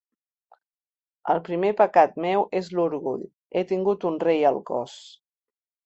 El primer pecat meu és l’orgull: he tingut un rei al cos.